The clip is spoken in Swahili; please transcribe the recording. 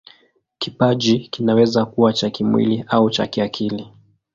Kipaji kinaweza kuwa cha kimwili au cha kiakili.